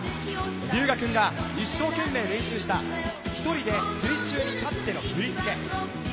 龍芽くんが一生懸命練習した１人で水中に立っての振り付け。